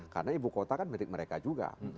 karena ibu kota kan mendapatkan mereka juga